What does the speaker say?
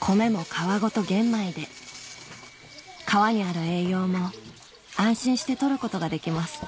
米も皮ごと玄米で皮にある栄養も安心して取ることができます